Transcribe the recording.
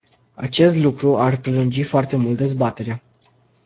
Acest lucru ar prelungi foarte mult dezbaterea.